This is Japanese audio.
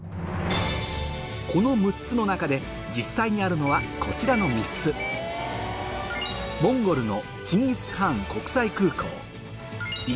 この６つの中で実際にあるのはこちらの３つでももうこれは。